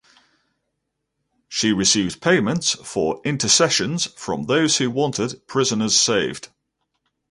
She received payments for intercessions from those who wanted prisoners saved.